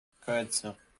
Coetzer.